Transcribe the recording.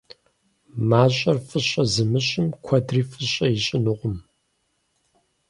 МащӀэр фӀыщӀэ зымыщӀым куэдри фӀыщӀэ ищӀынукъым.